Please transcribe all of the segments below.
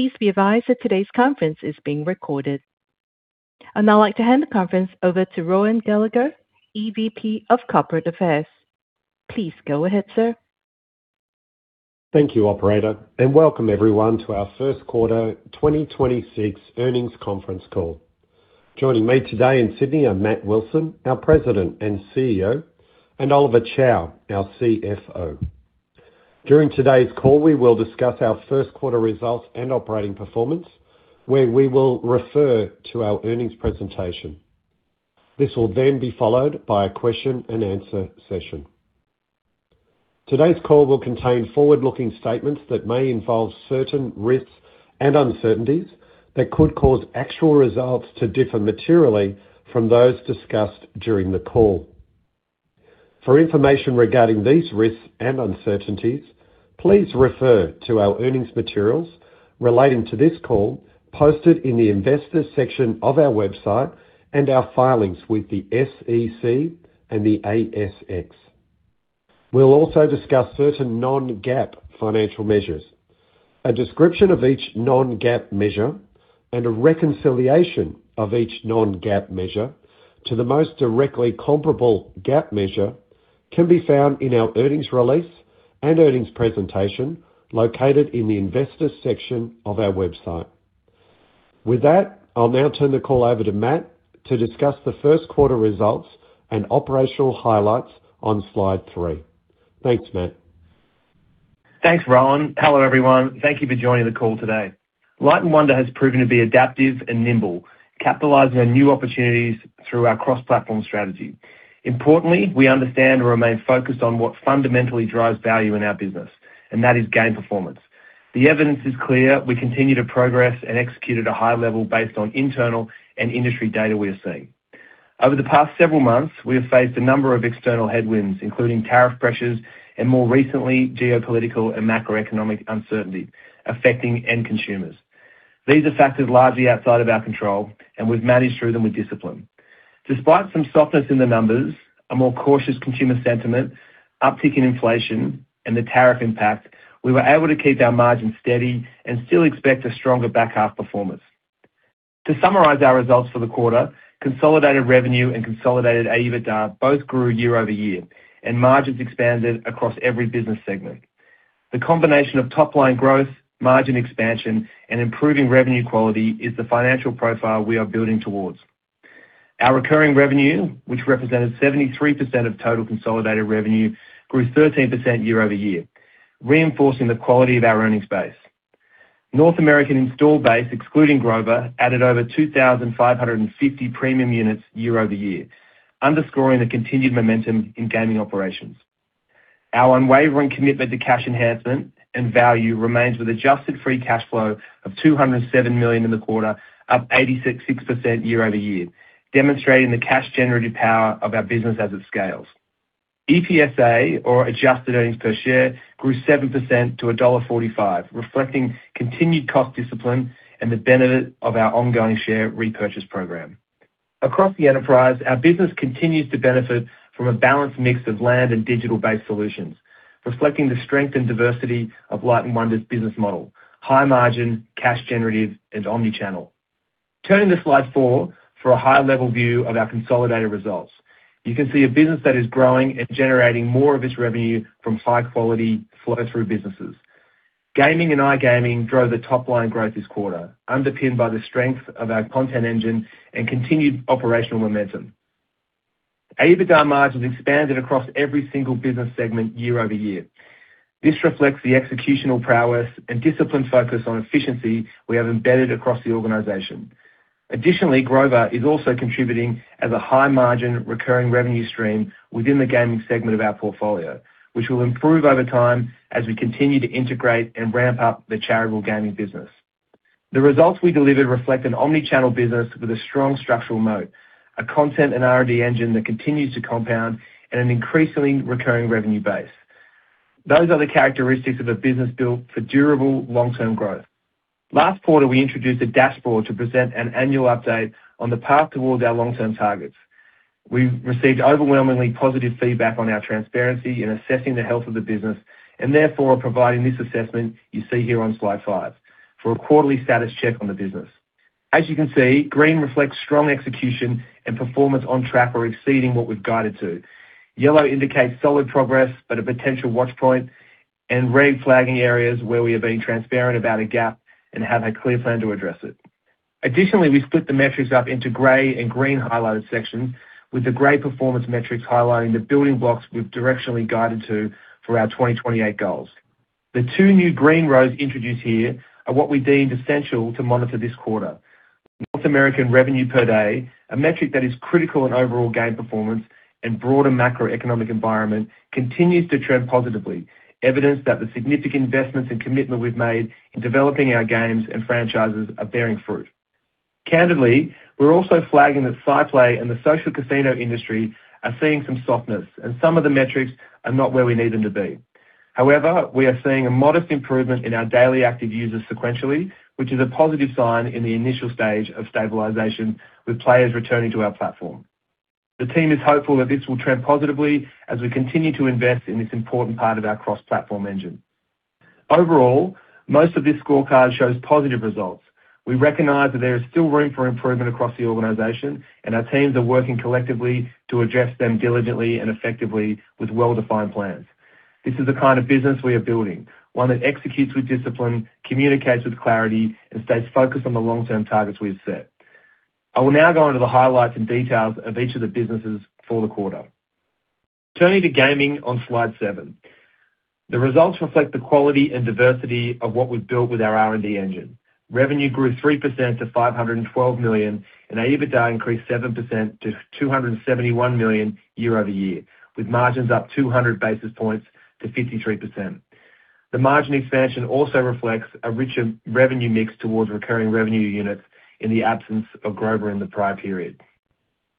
Please be advised that today's conference is being recorded. I'd now like to hand the conference over to Rohan Gallagher, EVP of Corporate Affairs. Please go ahead, sir. Thank you, operator. Welcome everyone to our first quarter 2026 earnings conference call. Joining me today in Sydney are Matt Wilson, our President and CEO, and Oliver Chow, our CFO. During today's call, we will discuss our first quarter results and operating performance, where we will refer to our earnings presentation. This will be followed by a question-and-answer session. Today's call will contain forward-looking statements that may involve certain risks and uncertainties that could cause actual results to differ materially from those discussed during the call. For information regarding these risks and uncertainties, please refer to our earnings materials relating to this call posted in the Investors section of our website and our filings with the SEC and the ASX. We'll also discuss certain non-GAAP financial measures. A description of each non-GAAP measure and a reconciliation of each non-GAAP measure to the most directly comparable GAAP measure can be found in our earnings release and earnings presentation located in the Investors section of our website. With that, I'll now turn the call over to Matt to discuss the first quarter results and operational highlights on slide three. Thanks, Matt. Thanks, Rohan. Hello, everyone. Thank you for joining the call today. Light & Wonder has proven to be adaptive and nimble, capitalizing on new opportunities through our cross-platform strategy. Importantly, we understand and remain focused on what fundamentally drives value in our business, and that is game performance. The evidence is clear we continue to progress and execute at a high level based on internal and industry data we are seeing. Over the past several months, we have faced a number of external headwinds, including tariff pressures and more recently, geopolitical and macroeconomic uncertainty affecting end consumers. These are factors largely outside of our control, and we've managed through them with discipline. Despite some softness in the numbers, a more cautious consumer sentiment, uptick in inflation, and the tariff impact, we were able to keep our margin steady and still expect a stronger back half performance. To summarize our results for the quarter, consolidated revenue and consolidated EBITDA both grew year-over-year, and margins expanded across every business segment. The combination of top-line growth, margin expansion, and improving revenue quality is the financial profile we are building towards. Our recurring revenue, which represented 73% of total consolidated revenue, grew 13% year-over-year, reinforcing the quality of our earnings base. North American installed base, excluding Grover, added over 2,550 premium units year-over-year, underscoring the continued momentum in Gaming operations. Our unwavering commitment to cash enhancement and value remains with adjusted free cash flow of $207 million in the quarter, up 86% year-over-year, demonstrating the cash generative power of our business as it scales. EPSA or adjusted earnings per share grew 7% to $1.45, reflecting continued cost discipline and the benefit of our ongoing share repurchase program. Across the enterprise, our business continues to benefit from a balanced mix of land and digital-based solutions, reflecting the strength and diversity of Light & Wonder's business model: high margin, cash generative, and omni-channel. Turning to slide four for a high-level view of our consolidated results. You can see a business that is growing and generating more of its revenue from high-quality flow-through businesses. Gaming and iGaming drove the top-line growth this quarter, underpinned by the strength of our content engine and continued operational momentum. EBITDA margins expanded across every single business segment year-over-year. This reflects the executional prowess and discipline focus on efficiency we have embedded across the organization. Additionally, Grover is also contributing as a high-margin recurring revenue stream within the Gaming segment of our portfolio, which will improve over time as we continue to integrate and ramp up the charitable Gaming business. The results we delivered reflect an omni-channel business with a strong structural moat, a content and R&D engine that continues to compound, and an increasingly recurring revenue base. Those are the characteristics of a business built for durable long-term growth. Last quarter, we introduced a dashboard to present an annual update on the path towards our long-term targets. We've received overwhelmingly positive feedback on our transparency in assessing the health of the business and therefore are providing this assessment you see here on slide five for a quarterly status check on the business. As you can see, green reflects strong execution and performance on track or exceeding what we've guided to. Yellow indicates solid progress but a potential watch point, and red flagging areas where we are being transparent about a gap and have a clear plan to address it. We split the metrics up into gray and green highlighted sections, with the gray performance metrics highlighting the building blocks we've directionally guided to for our 2028 goals. The two new green rows introduced here are what we deemed essential to monitor this quarter. North American revenue per day, a metric that is critical in overall game performance and broader macroeconomic environment, continues to trend positively. Evidence that the significant investments and commitment we've made in developing our games and franchises are bearing fruit. Candidly, we're also flagging that SciPlay and the social casino industry are seeing some softness, and some of the metrics are not where we need them to be. However, we are seeing a modest improvement in our Daily Active Users sequentially, which is a positive sign in the initial stage of stabilization with players returning to our platform. The team is hopeful that this will trend positively as we continue to invest in this important part of our cross-platform engine. Overall, most of this scorecard shows positive results. We recognize that there is still room for improvement across the organization, and our teams are working collectively to address them diligently and effectively with well-defined plans. This is the kind of business we are building, one that executes with discipline, communicates with clarity, and stays focused on the long-term targets we have set. I will now go into the highlights and details of each of the businesses for the quarter. Turning to Gaming on slide seven. The results reflect the quality and diversity of what we've built with our R&D engine. Revenue grew 3% to $512 million, and EBITDA increased 7% to $271 million year-over-year, with margins up 200 basis points to 53%. The margin expansion also reflects a richer revenue mix towards recurring revenue units in the absence of Grover in the prior period.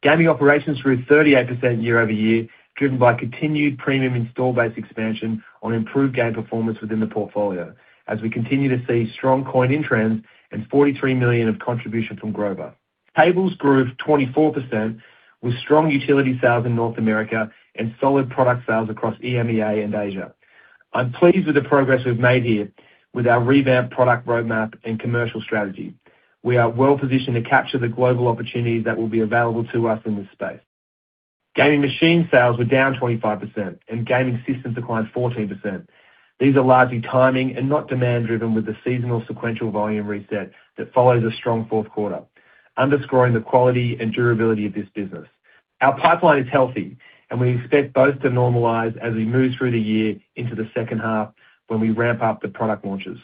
Gaming operations grew 38% year-over-year, driven by continued premium install base expansion on improved game performance within the portfolio, as we continue to see strong coin-in trends and $43 million of contribution from Grover. Tables grew 24% with strong utility sales in North America and solid product sales across EMEA and Asia. I'm pleased with the progress we've made here with our revamped product roadmap and commercial strategy. We are well-positioned to capture the global opportunity that will be available to us in this space. Gaming machine sales were down 25% and Gaming systems declined 14%. These are largely timing and not demand driven with the seasonal sequential volume reset that follows a strong fourth quarter, underscoring the quality and durability of this business. Our pipeline is healthy. We expect both to normalize as we move through the year into the second half when we ramp up the product launches.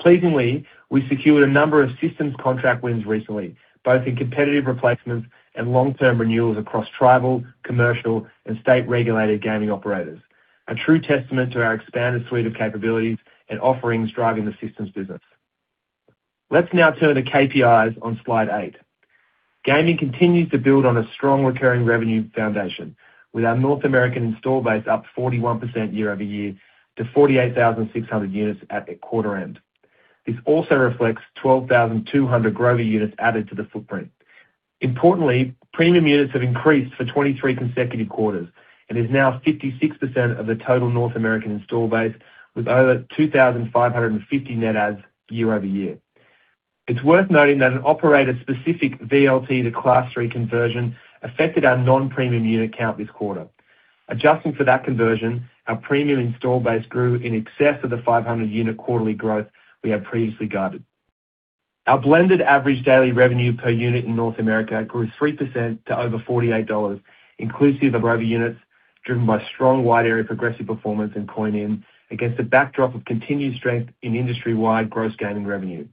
Pleasingly, we secured a number of systems contract wins recently, both in competitive replacements and long-term renewals across tribal, commercial, and state-regulated gaming operators. A true testament to our expanded suite of capabilities and offerings driving the systems business. Let's now turn to KPIs on slide eight. Gaming continues to build on a strong recurring revenue foundation, with our North American install base up 41% year-over-year to 48,600 units at the quarter end. This also reflects 12,200 Grover units added to the footprint. Importantly, premium units have increased for 23 consecutive quarters and is now 56% of the total North American install base with over 2,550 net adds year-over-year. It is worth noting that an operator-specific VLT to Class III conversion affected our non-premium unit count this quarter. Adjusting for that conversion, our premium install base grew in excess of the 500 unit quarterly growth we had previously guided. Our blended average daily revenue per unit in North America grew 3% to over $48, inclusive of Grover units, driven by strong wide area progressive performance and coin-in against a backdrop of continued strength in industry-wide gross Gaming revenue.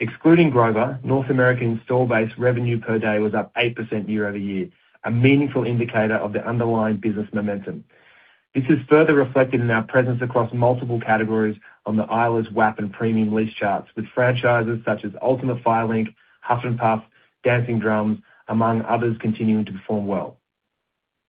Excluding Grover, North American install base revenue per day was up 8% year-over-year, a meaningful indicator of the underlying business momentum. This is further reflected in our presence across multiple categories on the Eilers WAP and premium lease charts, with franchises such as Ultimate Fire Link, Huff N' Puff, Dancing Drums, among others, continuing to perform well.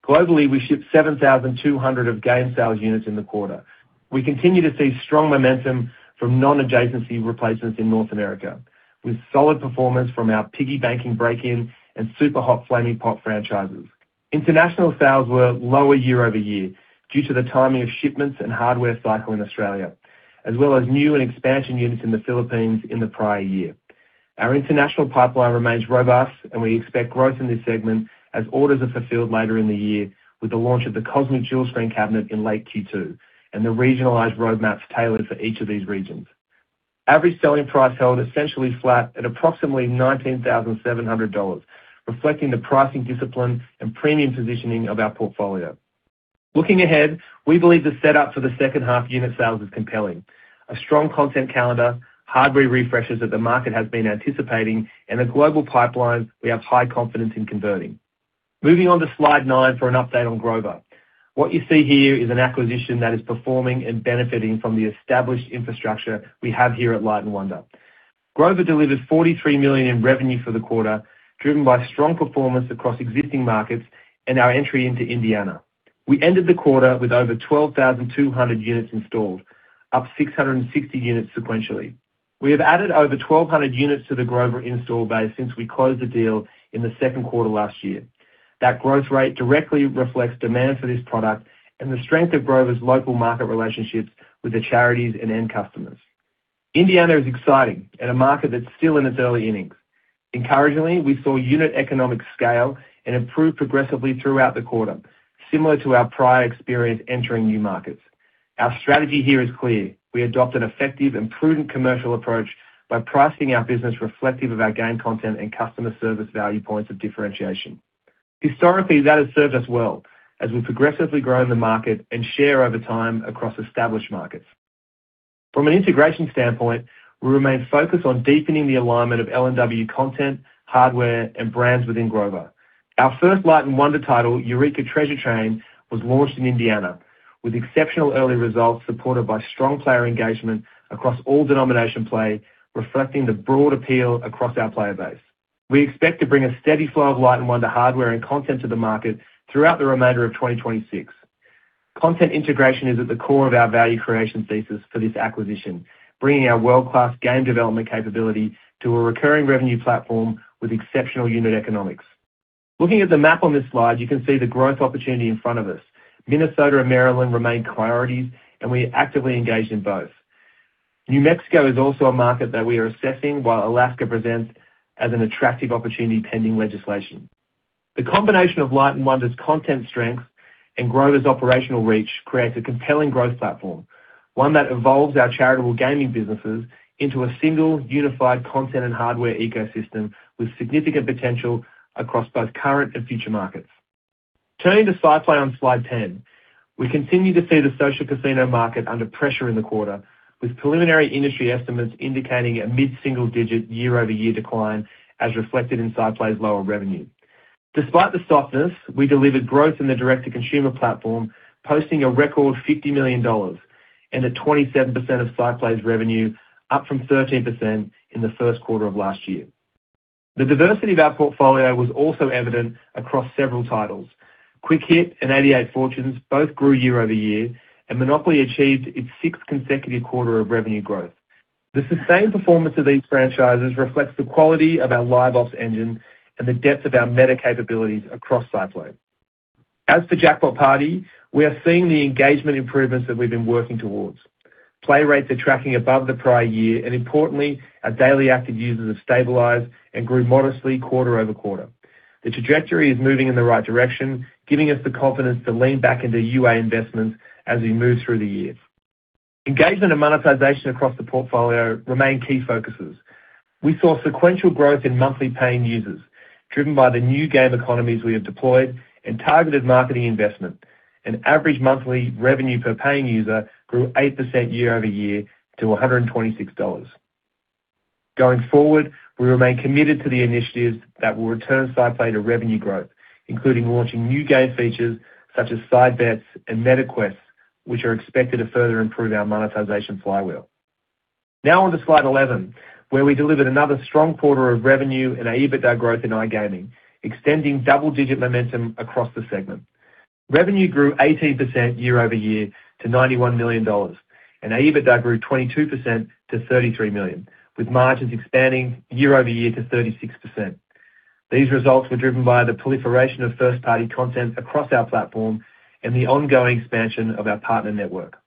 Globally, we shipped 7,200 of game sales units in the quarter. We continue to see strong momentum from non-adjacency replacement in North America with solid performance from our Piggy Bankin' Break In and Super Hot Flaming Pots franchises. International sales were lower year-over-year due to the timing of shipments and hardware cycle in Australia, as well as new and expansion units in the Philippines in the prior year. Our international pipeline remains robust. We expect growth in this segment as orders are fulfilled later in the year with the launch of the COSMIC Dual Screen cabinet in late Q2 and the regionalized roadmaps tailored for each of these regions. Average selling price held essentially flat at approximately $19,700, reflecting the pricing discipline and premium positioning of our portfolio. Looking ahead, we believe the setup for the second half unit sales is compelling. A strong content calendar, hardware refreshes that the market has been anticipating, and a global pipeline we have high confidence in converting. Moving on to slide nine for an update on Grover. What you see here is an acquisition that is performing and benefiting from the established infrastructure we have here at Light & Wonder. Grover delivered $43 million in revenue for the quarter, driven by strong performance across existing markets and our entry into Indiana. We ended the quarter with over 12,200 units installed, up 660 units sequentially. We have added over 1,200 units to the Grover install base since we closed the deal in the second quarter last year. That growth rate directly reflects demand for this product and the strength of Grover's local market relationships with the charities and end customers. Indiana is exciting and a market that's still in its early innings. Encouragingly, we saw unit economic scale and improved progressively throughout the quarter, similar to our prior experience entering new markets. Our strategy here is clear. We adopt an effective and prudent commercial approach by pricing our business reflective of our game content and customer service value points of differentiation. Historically, that has served us well as we've progressively grown the market and share over time across established markets. From an integration standpoint, we remain focused on deepening the alignment of LNW content, hardware, and brands within Grover. Our first Light & Wonder title, Eureka Treasure Train, was launched in Indiana with exceptional early results supported by strong player engagement across all denomination play, reflecting the broad appeal across our player base. We expect to bring a steady flow of Light & Wonder hardware and content to the market throughout the remainder of 2026. Content integration is at the core of our value creation thesis for this acquisition, bringing our world-class game development capability to a recurring revenue platform with exceptional unit economics. Looking at the map on this slide, you can see the growth opportunity in front of us. Minnesota and Maryland remain priorities, and we are actively engaged in both. New Mexico is also a market that we are assessing while Alaska presents as an attractive opportunity pending legislation. The combination of Light & Wonder's content strength and Grover's operational reach creates a compelling growth platform, one that evolves our charitable gaming businesses into a single unified content and hardware ecosystem with significant potential across both current and future markets. Turning to SciPlay on slide 10, we continue to see the social casino market under pressure in the quarter, with preliminary industry estimates indicating a mid-single-digit year-over-year decline as reflected in SciPlay's lower revenue. Despite the softness, we delivered growth in the direct-to-consumer platform, posting a record $50 million and at 27% of SciPlay's revenue, up from 13% in the first quarter of last year. The diversity of our portfolio was also evident across several titles. Quick Hit and 88 Fortunes both grew year-over-year, and Monopoly achieved its sixth consecutive quarter of revenue growth. The sustained performance of these franchises reflects the quality of our live ops engine and the depth of our meta capabilities across SciPlay. As for Jackpot Party, we are seeing the engagement improvements that we've been working towards. Play rates are tracking above the prior year, and importantly, our Daily Active Users have stabilized and grew modestly quarter-over-quarter. The trajectory is moving in the right direction, giving us the confidence to lean back into UA investments as we move through the year. Engagement and monetization across the portfolio remain key focuses. We saw sequential growth in monthly paying users, driven by the new game economies we have deployed and targeted marketing investment. Average Monthly Revenue Per Paying User grew 8% year-over-year to $126. Going forward, we remain committed to the initiatives that will return SciPlay to revenue growth, including launching new game features such as Side Bets and meta-quests, which are expected to further improve our monetization flywheel. On to slide 11, where we delivered another strong quarter of revenue, our EBITDA growth in iGaming, extending double-digit momentum across the segment. Revenue grew 18% year-over-year to $91 million, our EBITDA grew 22% to $33 million, with margins expanding year-over-year to 36%. These results were driven by the proliferation of first-party content across our platform and the ongoing expansion of our partner network.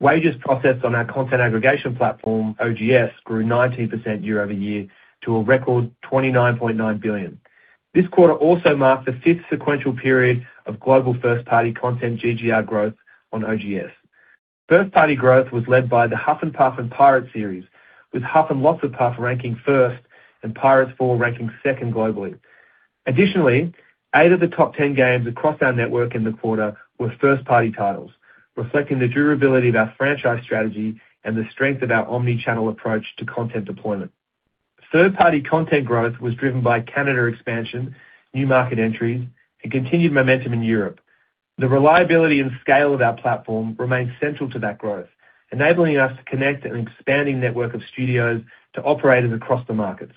Wagers processed on our content aggregation platform, OGS, grew 19% year-over-year to a record $29.9 billion. This quarter also marked the 5th sequential period of global first-party content GGR growth on OGS. First-party growth was led by the Huff N' Puff and Pirots series, with Huff N' Lots of Puff ranking 1st and Pirots 4 ranking 2nd globally. Additionally, eight of the top 10 games across our network in the quarter were first-party titles, reflecting the durability of our franchise strategy and the strength of our omni-channel approach to content deployment. Third-party content growth was driven by Canada expansion, new market entries, and continued momentum in Europe. The reliability and scale of our platform remains central to that growth, enabling us to connect an expanding network of studios to operators across the markets.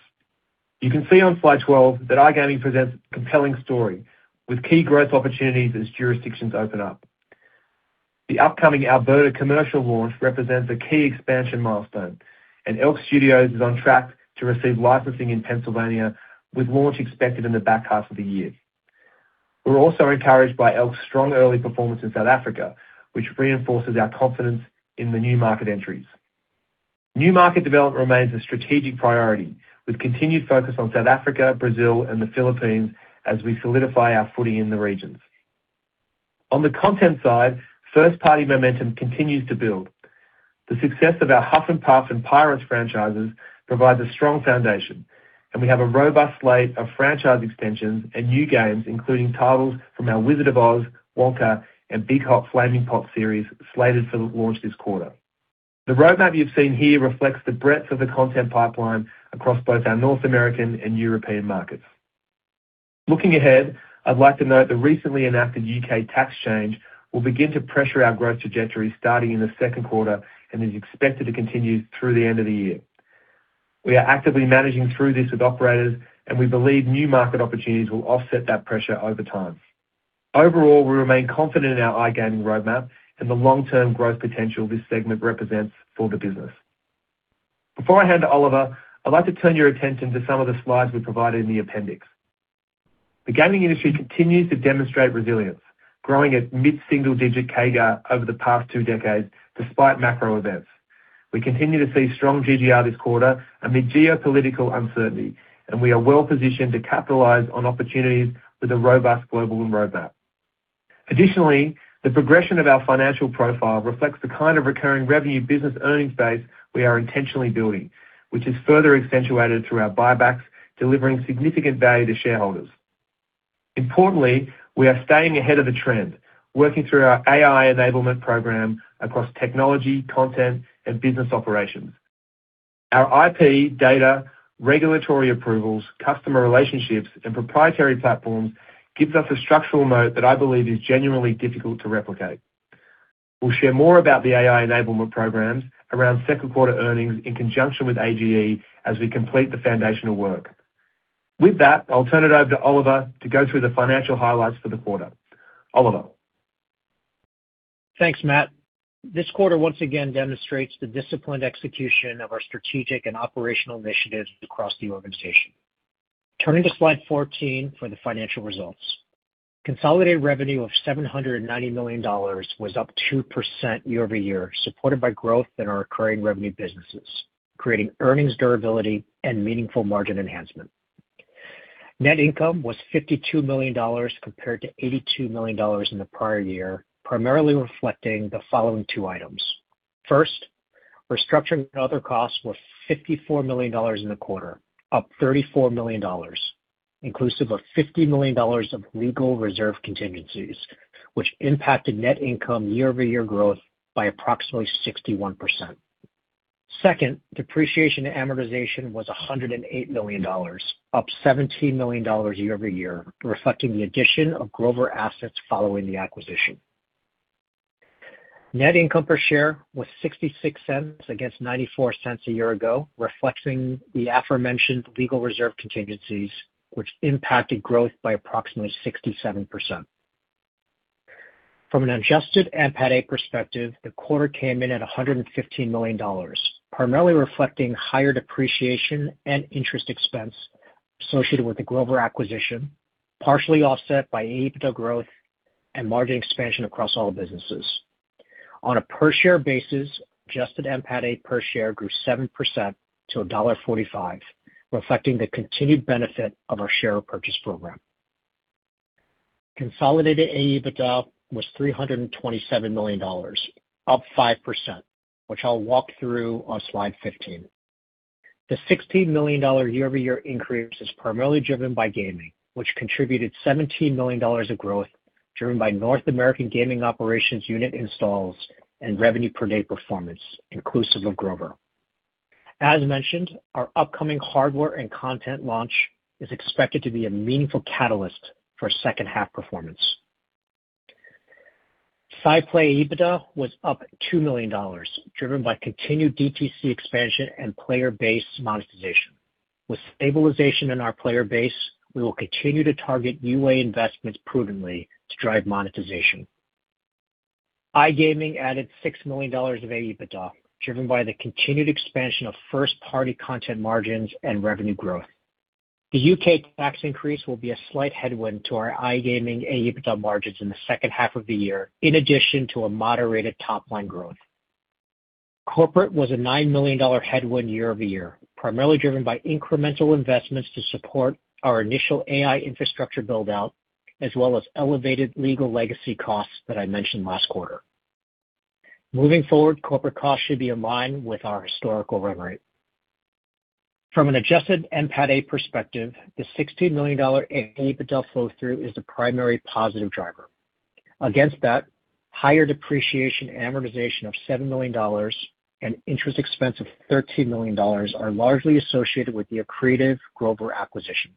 You can see on slide 12 that iGaming presents a compelling story with key growth opportunities as jurisdictions open up. The upcoming Alberta commercial launch represents a key expansion milestone. Elk Studios is on track to receive licensing in Pennsylvania, with launch expected in the back half of the year. We're also encouraged by Elk's strong early performance in South Africa, which reinforces our confidence in the new market entries. New market development remains a strategic priority, with continued focus on South Africa, Brazil, and the Philippines as we solidify our footing in the regions. On the content side, first-party momentum continues to build. The success of our Huff N' Puff and Pirots franchises provides a strong foundation, and we have a robust slate of franchise extensions and new games, including titles from our The Wizard of Oz, Wonka, and Big Hot Flaming Pots series slated for launch this quarter. The roadmap you've seen here reflects the breadth of the content pipeline across both our North American and European markets. Looking ahead, I'd like to note the recently enacted U.K. tax change will begin to pressure our growth trajectory starting in the second quarter and is expected to continue through the end of the year. We are actively managing through this with operators, and we believe new market opportunities will offset that pressure over time. Overall, we remain confident in our iGaming roadmap and the long-term growth potential this segment represents for the business. Before I hand to Oliver, I'd like to turn your attention to some of the slides we provided in the appendix. The gaming industry continues to demonstrate resilience, growing at mid-single-digit CAGR over the past two decades despite macro events. We continue to see strong GGR this quarter amid geopolitical uncertainty, and we are well-positioned to capitalize on opportunities with a robust global roadmap. Additionally, the progression of our financial profile reflects the kind of recurring revenue business earnings base we are intentionally building, which is further accentuated through our buybacks, delivering significant value to shareholders. Importantly, we are staying ahead of the trend, working through our AI Enablement Program across technology, content, and business operations. Our IP, data, regulatory approvals, customer relationships, and proprietary platforms gives us a structural moat that I believe is genuinely difficult to replicate. We'll share more about the AI Enablement Program around second quarter earnings in conjunction with AGE as we complete the foundational work. With that, I'll turn it over to Oliver to go through the financial highlights for the quarter. Oliver. Thanks, Matt Wilson. This quarter once again demonstrates the disciplined execution of our strategic and operational initiatives across the organization. Turning to slide 14 for the financial results. Consolidated revenue of $790 million was up 2% year-over-year, supported by growth in our recurring revenue businesses, creating earnings durability and meaningful margin enhancement. Net income was $52 million compared to $82 million in the prior year, primarily reflecting the following two items. First, restructuring and other costs were $54 million in the quarter, up $34 million, inclusive of $50 million of legal reserve contingencies, which impacted net income year-over-year growth by approximately 61%. Second, depreciation and amortization was $108 million, up $17 million year-over-year, reflecting the addition of Grover assets following the acquisition. Net income per share was $0.66 against $0.94 a year ago, reflecting the aforementioned legal reserve contingencies, which impacted growth by approximately 67%. From an adjusted NPATA perspective, the quarter came in at $115 million, primarily reflecting higher depreciation and interest expense associated with the Grover acquisition, partially offset by AEBITDA growth and margin expansion across all businesses. On a per share basis, adjusted NPATA per share grew 7% to $1.45, reflecting the continued benefit of our share purchase program. Consolidated AEBITDA was $327 million, up 5%, which I'll walk through on slide 15. The $16 million year-over-year increase is primarily driven by Gaming, which contributed $17 million of growth, driven by North American Gaming operations unit installs and revenue per day performance, inclusive of Grover. As mentioned, our upcoming hardware and content launch is expected to be a meaningful catalyst for second half performance. SciPlay AEBITDA was up $2 million, driven by continued DTC expansion and player base monetization. With stabilization in our player base, we will continue to target UA investments provenly to drive monetization. iGaming added $6 million of AEBITDA, driven by the continued expansion of first-party content margins and revenue growth. The U.K. tax increase will be a slight headwind to our iGaming AEBITDA margins in the second half of the year, in addition to a moderated top-line growth. Corporate was a $9 million headwind year-over-year, primarily driven by incremental investments to support our initial AI infrastructure build-out, as well as elevated legal legacy costs that I mentioned last quarter. Moving forward, corporate costs should be in line with our historical run rate. From an adjusted NPATA perspective, the $16 million AEBITDA flow-through is the primary positive driver. Against that, higher depreciation and amortization of $7 million and interest expense of $13 million are largely associated with the accretive Grover acquisition.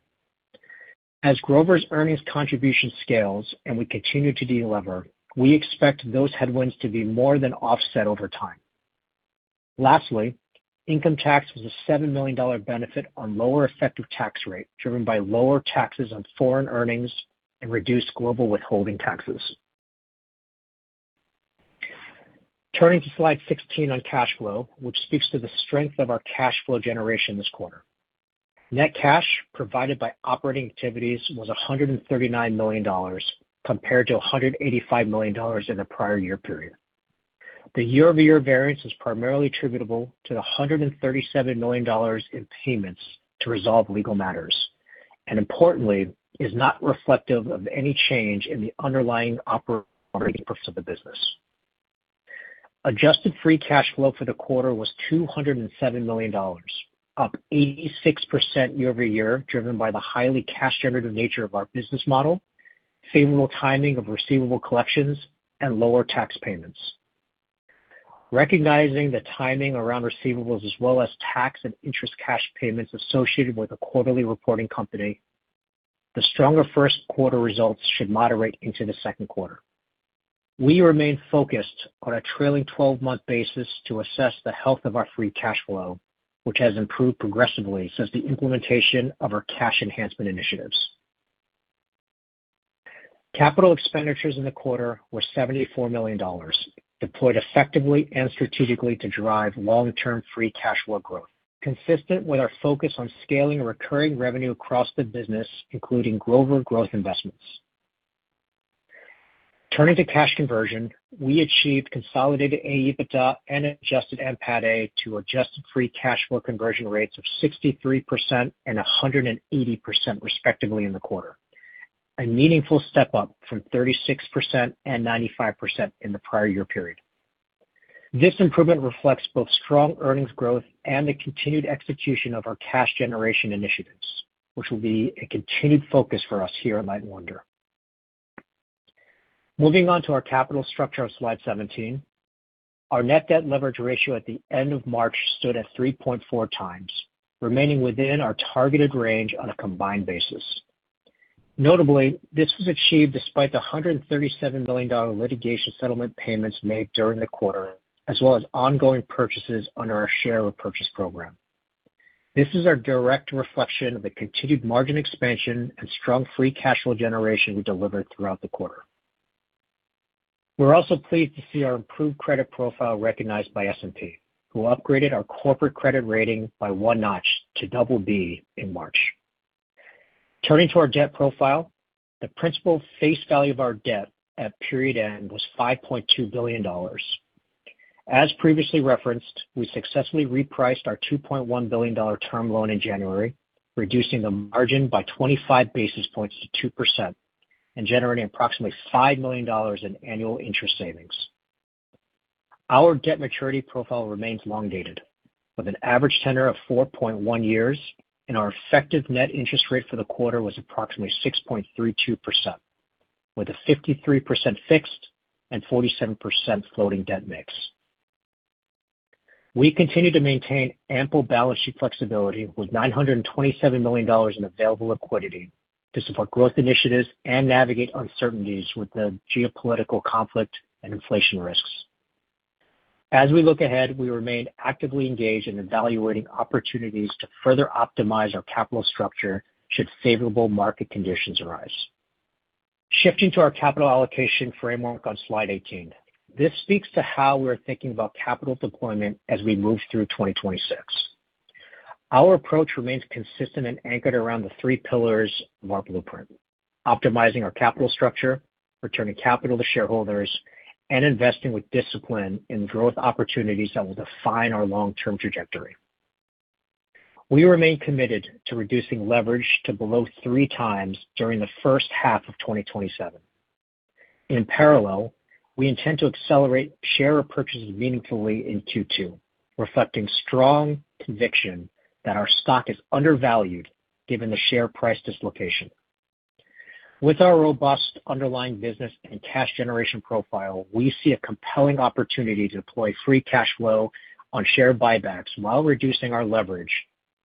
As Grover's earnings contribution scales and we continue to delever, we expect those headwinds to be more than offset over time. Lastly, income tax was a $7 million benefit on lower effective tax rate, driven by lower taxes on foreign earnings and reduced global withholding taxes. Turning to slide 16 on cash flow, which speaks to the strength of our cash flow generation this quarter. Net cash provided by operating activities was $139 million compared to $185 million in the prior year period. The year-over-year variance is primarily attributable to the $137 million in payments to resolve legal matters, and importantly, is not reflective of any change in the underlying operating of the business. Adjusted free cash flow for the quarter was $207 million, up 86% year-over-year, driven by the highly cash generative nature of our business model, favorable timing of receivable collections, and lower tax payments. Recognizing the timing around receivables as well as tax and interest cash payments associated with a quarterly reporting company, the stronger first quarter results should moderate into the second quarter. We remain focused on a trailing 12-month basis to assess the health of our free cash flow, which has improved progressively since the implementation of our cash enhancement initiatives. Capital expenditures in the quarter were $74 million, deployed effectively and strategically to drive long-term free cash flow growth, consistent with our focus on scaling recurring revenue across the business, including Grover growth investments. Turning to cash conversion, we achieved consolidated AEBITDA and adjusted NPATA to adjusted free cash flow conversion rates of 63% and 180% respectively in the quarter, a meaningful step up from 36% and 95% in the prior year period. This improvement reflects both strong earnings growth and the continued execution of our cash generation initiatives, which will be a continued focus for us here at Light & Wonder. Moving on to our capital structure on slide 17. Our net debt leverage ratio at the end of March stood at 3.4x, remaining within our targeted range on a combined basis. Notably, this was achieved despite the $137 million litigation settlement payments made during the quarter, as well as ongoing purchases under our share repurchase program. This is our direct reflection of the continued margin expansion and strong free cash flow generation we delivered throughout the quarter. We're also pleased to see our improved credit profile recognized by S&P, who upgraded our corporate credit rating by one notch to BB in March. Turning to our debt profile, the principal face value of our debt at period end was $5.2 billion. As previously referenced, we successfully repriced our $2.1 billion term loan in January, reducing the margin by 25 basis points to 2% and generating approximately $5 million in annual interest savings. Our debt maturity profile remains long dated, with an average tenor of 4.1 years, and our effective net interest rate for the quarter was approximately 6.32%, with a 53% fixed and 47% floating debt mix. We continue to maintain ample balance sheet flexibility with $927 million in available liquidity to support growth initiatives and navigate uncertainties with the geopolitical conflict and inflation risks. As we look ahead, we remain actively engaged in evaluating opportunities to further optimize our capital structure should favorable market conditions arise. Shifting to our capital allocation framework on slide 18. This speaks to how we're thinking about capital deployment as we move through 2026. Our approach remains consistent and anchored around the three pillars of our blueprint: optimizing our capital structure, returning capital to shareholders, and investing with discipline in growth opportunities that will define our long-term trajectory. We remain committed to reducing leverage to below 3x during the first half of 2027. In parallel, we intend to accelerate share repurchases meaningfully in Q2, reflecting strong conviction that our stock is undervalued given the share price dislocation. With our robust underlying business and cash generation profile, we see a compelling opportunity to deploy free cash flow on share buybacks while reducing our leverage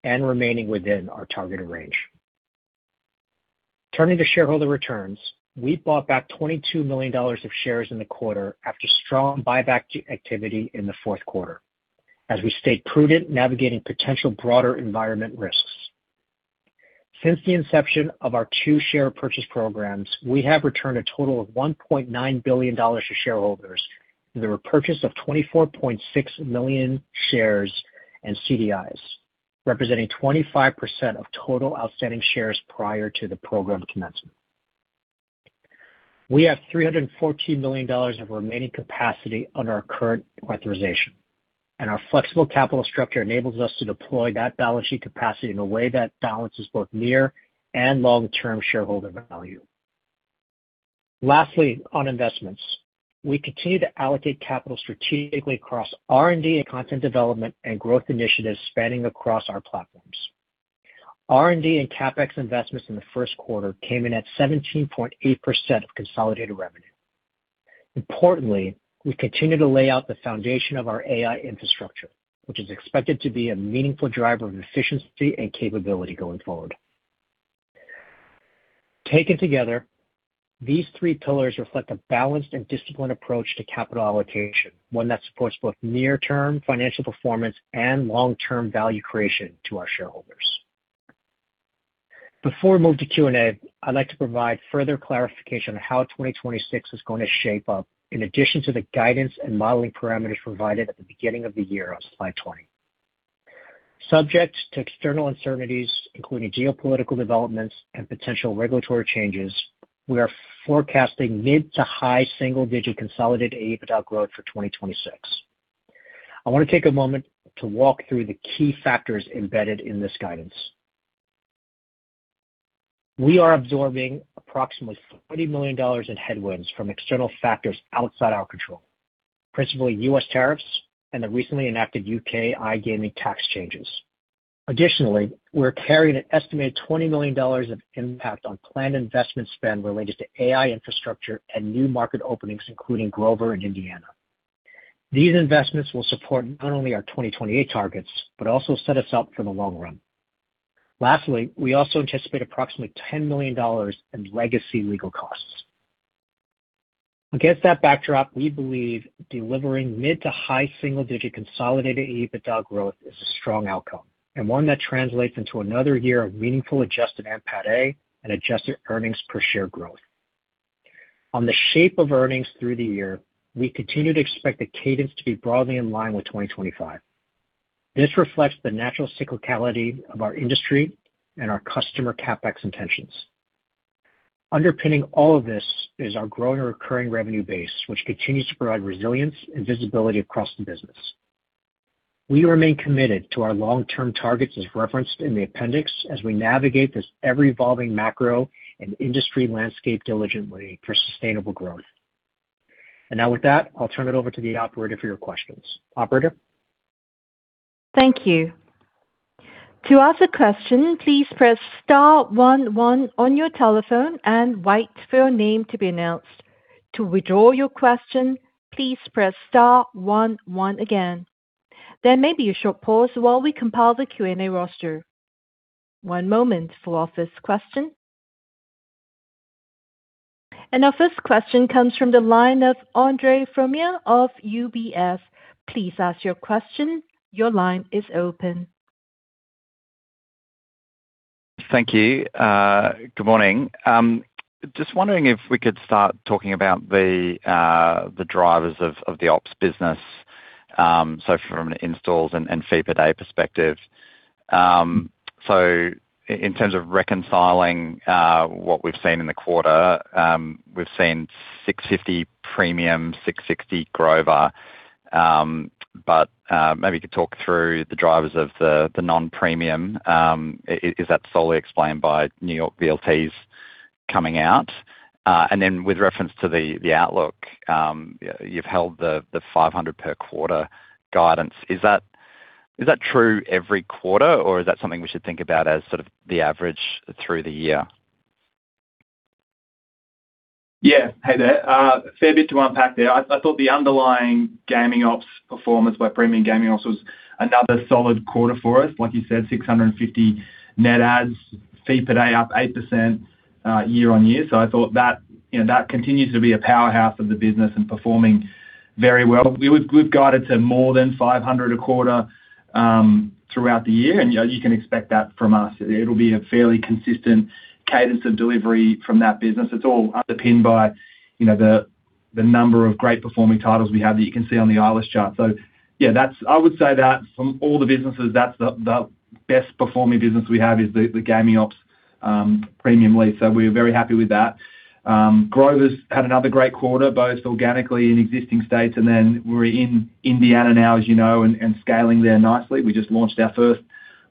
and remaining within our targeted range. Turning to shareholder returns. We bought back $22 million of shares in the quarter after strong buyback activity in the fourth quarter as we stayed prudent navigating potential broader environment risks. Since the inception of our two share purchase programs, we have returned a total of $1.9 billion to shareholders through the repurchase of 24.6 million shares and CDIs, representing 25% of total outstanding shares prior to the program commencement. We have $314 million of remaining capacity under our current authorization, Our flexible capital structure enables us to deploy that balance sheet capacity in a way that balances both near and long-term shareholder value. Lastly, on investments. We continue to allocate capital strategically across R&D and content development and growth initiatives spanning across our platforms. R&D and CapEx investments in the first quarter came in at 17.8% of consolidated revenue. Importantly, we continue to lay out the foundation of our AI infrastructure, which is expected to be a meaningful driver of efficiency and capability going forward. Taken together, these three pillars reflect a balanced and disciplined approach to capital allocation, one that supports both near-term financial performance and long-term value creation to our shareholders. Before we move to Q&A, I'd like to provide further clarification on how 2026 is going to shape up in addition to the guidance and modeling parameters provided at the beginning of the year on slide 20. Subject to external uncertainties, including geopolitical developments and potential regulatory changes, we are forecasting mid-to-high single digit consolidated AEBITDA growth for 2026. I want to take a moment to walk through the key factors embedded in this guidance. We are absorbing approximately $30 million in headwinds from external factors outside our control, principally U.S. tariffs and the recently enacted U.K. iGaming tax changes. Additionally, we're carrying an estimated $20 million of impact on planned investment spend related to AI infrastructure and new market openings, including Grover and Indiana. These investments will support not only our 2028 targets but also set us up for the long run. Lastly, we also anticipate approximately $10 million in legacy legal costs. Against that backdrop, we believe delivering mid-to-high single-digit consolidated AEBITDA growth is a strong outcome and one that translates into another year of meaningful adjusted NPATA and adjusted earnings per share growth. On the shape of earnings through the year, we continue to expect the cadence to be broadly in line with 2025. This reflects the natural cyclicality of our industry and our customer CapEx intentions. Underpinning all of this is our growing recurring revenue base, which continues to provide resilience and visibility across the business. We remain committed to our long-term targets, as referenced in the appendix, as we navigate this ever-evolving macro and industry landscape diligently for sustainable growth. Now, with that, I'll turn it over to the operator for your questions. Operator? Thank you. To ask a question, please press star one one on your telephone and wait for your name to be announced. To withdraw your question, please press star one one again. There may be a short pause while we compile the Q&A roster. One moment for our first question. Our first question comes from the line of Andre Fromyhr of UBS. Please ask your question. Your line is open. Thank you. Good morning. Just wondering if we could start talking about the drivers of the ops business, so from an installs and fee per day perspective. In terms of reconciling what we've seen in the quarter, we've seen 650 premium, 660 Grover. Maybe you could talk through the drivers of the non-premium. Is that solely explained by New York VLTs coming out? With reference to the outlook, you've held the 500 per quarter guidance. Is that true every quarter or is that something we should think about as sort of the average through the year? Hey there. Fair bit to unpack there. I thought the underlying Gaming ops performance by premium Gaming ops was another solid quarter for us. Like you said, 650 net adds, fee per day up 8%, year-over-year. I thought that, you know, that continues to be a powerhouse of the business and performing very well. We've guided to more than 500 a quarter throughout the year, and you can expect that from us. It'll be a fairly consistent cadence of delivery from that business. It's all underpinned by, you know, the number of great performing titles we have that you can see on the Eilers chart. I would say that from all the businesses, that's the best performing business we have is the Gaming ops premium lease. We're very happy with that. Grover's had another great quarter, both organically in existing states and then we're in Indiana now as you know, and scaling there nicely. We just launched our first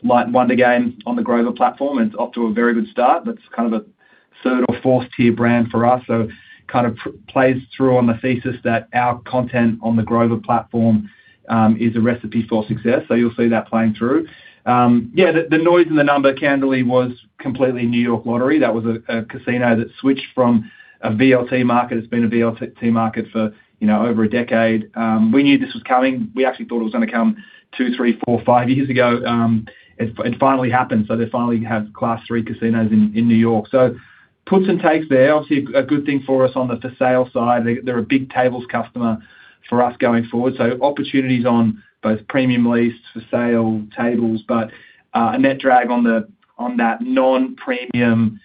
Light & Wonder game on the Grover platform, and it's off to a very good start. That's kind of a third or fourth tier brand for us. Kind of plays through on the thesis that our content on the Grover platform is a recipe for success. You'll see that playing through. Yeah, the noise in the number candidly was completely New York Lottery. That was a casino that switched from a VLT market. It's been a VLT market for, you know, over a decade. We knew this was coming. We actually thought it was gonna come two, three, four, five years ago. It finally happened. They finally have Class III casinos in New York. Puts and takes there. Obviously a good thing for us on the for sale side. They're a big tables customer for us going forward. Opportunities on both premium lease, for sale, tables. A net drag on the, on that non-premium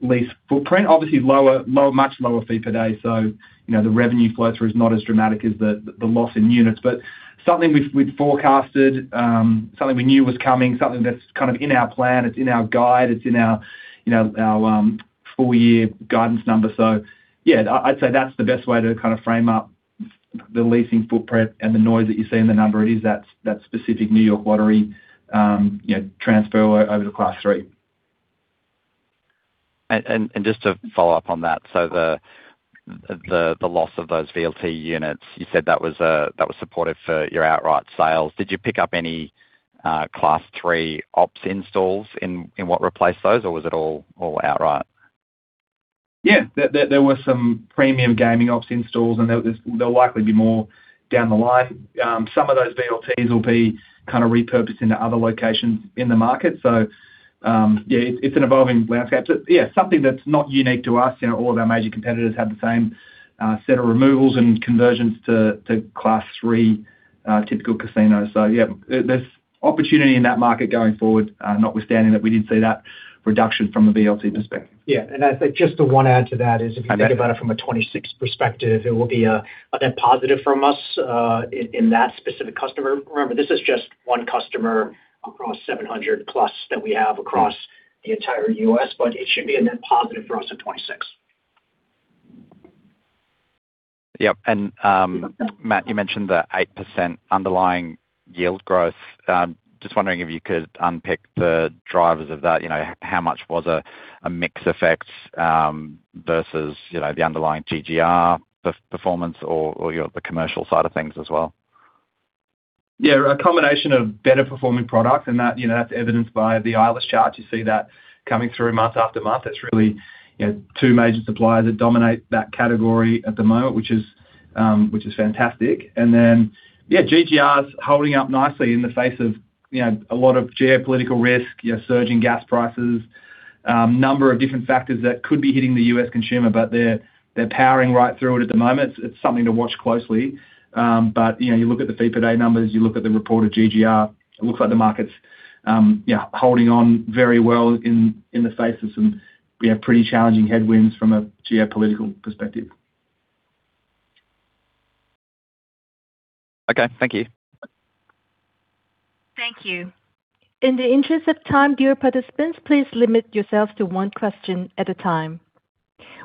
lease footprint. Obviously much lower fee per day, so, you know, the revenue flow-through is not as dramatic as the loss in units. Something we've forecasted, something we knew was coming, something that's kind of in our plan, it's in our guide, it's in our, you know, our full year guidance number. Yeah, I'd say that's the best way to kind of frame up the leasing footprint and the noise that you see in the number. It is that specific New York Lottery, you know, transfer over to Class III. Just to follow up on that, the loss of those VLT units, you said that was, that was supportive for your outright sales. Did you pick up any Class III ops installs in what replaced those or was it all outright? Yeah. There were some premium Gaming ops installs and there'll likely be more down the line. Some of those VLTs will be kind of repurposed into other locations in the market. Yeah, it's an evolving landscape. Yeah, something that's not unique to us. You know, all of our major competitors have the same set of removals and conversions to Class III typical casinos. Yeah, there's opportunity in that market going forward, notwithstanding that we did see that reduction from a VLT perspective. Yeah. Okay. If you think about it from a 26 perspective, it will be a net positive from us, in that specific customer. Remember, this is just one customer across 700+ that we have across the entire U.S., but it should be a net positive for us at 26. Yep. Matt, you mentioned the 8% underlying yield growth. Just wondering if you could unpick the drivers of that. You know, how much was a mix effect versus, you know, the underlying GGR performance or your commercial side of things as well? Yeah, a combination of better performing products and that, you know, that's evidenced by the Eilers chart. You see that coming through month after month. It's really, you know, two major suppliers that dominate that category at the moment, which is fantastic. Yeah, GGR's holding up nicely in the face of, you know, a lot of geopolitical risk, you know, surging gas prices, number of different factors that could be hitting the U.S. consumer, but they're powering right through it at the moment. It's something to watch closely. You know, you look at the fee per day numbers, you look at the reported GGR, it looks like the market's, yeah, holding on very well in the face of some, you know, pretty challenging headwinds from a geopolitical perspective. Okay. Thank you. Thank you. In the interest of time, dear participants, please limit yourselves to one question at a time.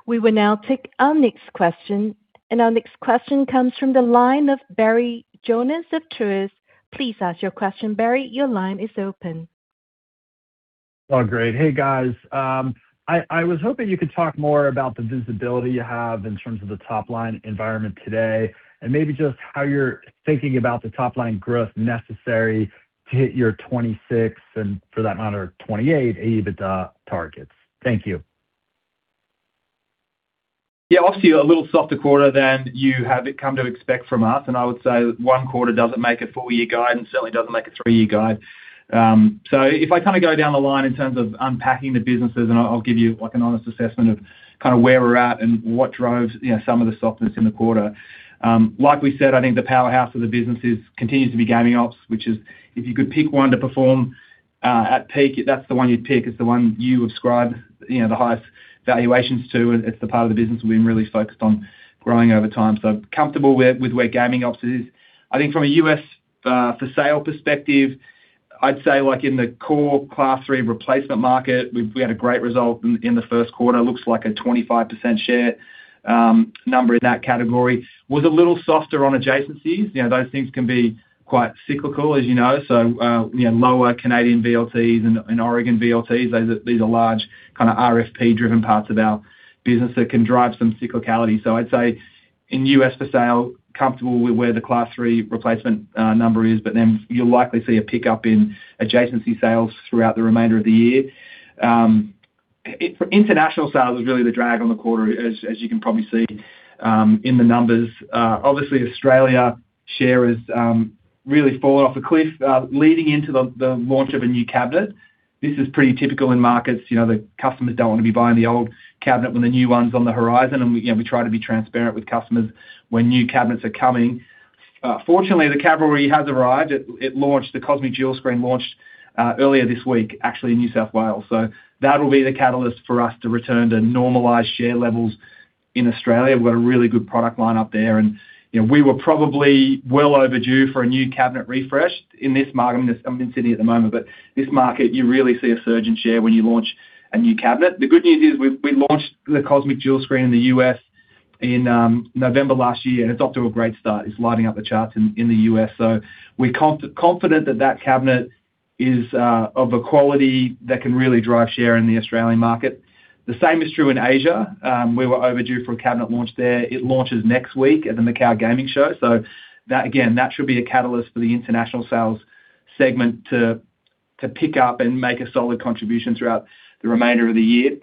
We will now take our next question. Our next question comes from the line of Barry Jonas of Truist. Please ask your question. Barry, your line is open. Oh, great. Hey, guys. I was hoping you could talk more about the visibility you have in terms of the top line environment today, and maybe just how you're thinking about the top line growth necessary to hit your 2026, and for that matter, 2028 EBITDA targets. Thank you. Yeah, obviously a little softer quarter than you have come to expect from us. I would say one quarter doesn't make a full year guide, and certainly doesn't make a three-year guide. If I kinda go down the line in terms of unpacking the businesses, and I'll give you, like, an honest assessment of kinda where we're at and what drove, you know, some of the softness in the quarter. Like we said, I think the powerhouse of the businesses continues to be Gaming ops, which is if you could pick one to perform at peak, that's the one you'd pick. It's the one you ascribe, you know, the highest valuations to, and it's the part of the business we've been really focused on growing over time. Comfortable with where Gaming ops is. I think from a U.S. for sale perspective, I'd say, in the core Class III replacement market, we had a great result in the first quarter. Looks like a 25% share number in that category. Was a little softer on adjacencies. You know, those things can be quite cyclical, as you know. You know, lower Canadian VLTs and Oregon VLTs. These are large kinda RFP-driven parts of our business that can drive some cyclicality. I'd say in U.S. for sale, comfortable with where the Class III replacement number is, but then you'll likely see a pickup in adjacency sales throughout the remainder of the year. International sales was really the drag on the quarter, as you can probably see in the numbers. Obviously, Australia share has really fallen off a cliff, leading into the launch of a new cabinet. This is pretty typical in markets. You know, the customers don't wanna be buying the old cabinet when the new one's on the horizon. We, you know, we try to be transparent with customers when new cabinets are coming. Fortunately, the cavalry has arrived. The COSMIC Dual Screen launched earlier this week, actually in New South Wales. That'll be the catalyst for us to return to normalized share levels in Australia. We've got a really good product line up there and, you know, we were probably well overdue for a new cabinet refresh in this market. I'm in Sydney at the moment, but this market, you really see a surge in share when you launch a new cabinet. The good news is we launched the COSMIC Dual Screen in the U.S. in November last year, and it's off to a great start. It's lighting up the charts in the U.S. We're confident that that cabinet is of a quality that can really drive share in the Australian market. The same is true in Asia. We were overdue for a cabinet launch there. It launches next week at the Macau Gaming Show. That, again, that should be a catalyst for the international sales segment to pick up and make a solid contribution throughout the remainder of the year.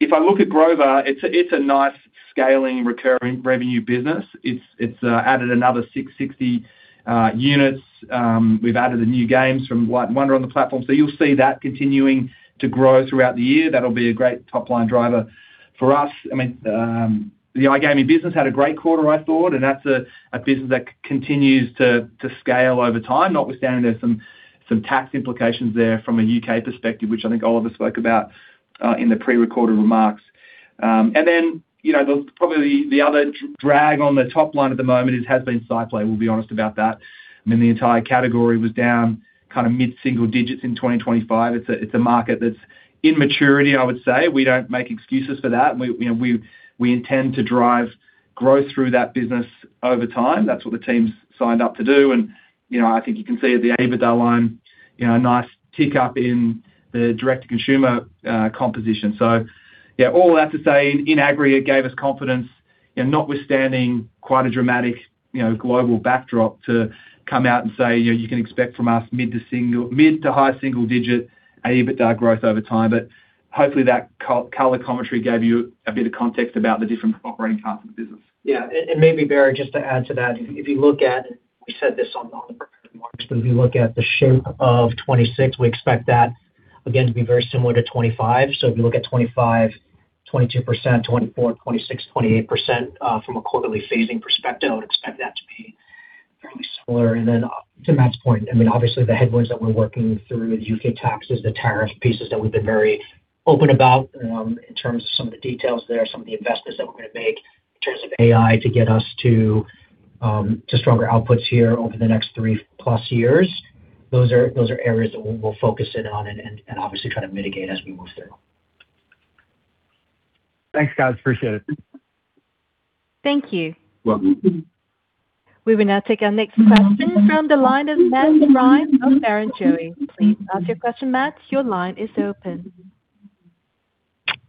If I look at Grover, it's a nice scaling recurring revenue business. It's added another 660 units. We've added the new games from Light & Wonder on the platform. You'll see that continuing to grow throughout the year. That'll be a great top-line driver for us. I mean, the iGaming business had a great quarter, I thought, and that's a business that continues to scale over time, notwithstanding there's some tax implications there from a U.K. perspective, which I think Oliver spoke about in the prerecorded remarks. Then, you know, probably the other drag on the top line at the moment has been SciPlay. We'll be honest about that. I mean, the entire category was down kinda mid-single digits in 2025. It's a market that's in maturity, I would say. We don't make excuses for that. We, you know, we intend to drive growth through that business over time. That's what the team's signed up to do. You know, I think you can see at the AEBITDA line, you know, a nice tick up in the direct-to-consumer composition. All that to say in aggregate gave us confidence, you know, notwithstanding quite a dramatic, you know, global backdrop to come out and say, you know, you can expect from us mid to high single-digit AEBITDA growth over time. Hopefully that color commentary gave you a bit of context about the different operating parts of the business. Yeah. Maybe Barry, just to add to that, if you look at, we said this on the recorded remarks, but if you look at the shape of 2026, we expect that again to be very similar to 2025. If you look at 2025, 22%, 24%, 26%, 28%, from a quarterly phasing perspective, I would expect that to be fairly similar. To Matt's point, I mean, obviously the headwinds that we're working through with U.K. taxes, the tariff pieces that we've been very open about, in terms of some of the details there, some of the investments that we're gonna make in terms of AI to get us to stronger outputs here over the next three-plus years. Those are areas that we'll focus in on and obviously try to mitigate as we move through. Thanks, guys. Appreciate it. Thank you. Welcome. We will now take our next question from the line of Matt Ryan of Barrenjoey. Please ask your question, Matt. Your line is open.